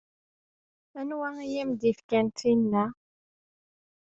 Anwa i am-d-ifkan tinna?